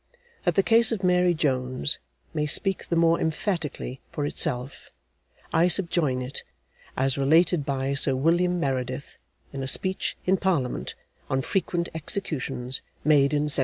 That the case of Mary Jones may speak the more emphatically for itself, I subjoin it, as related by SIR WILLIAM MEREDITH in a speech in Parliament, 'on Frequent Executions', made in 1777.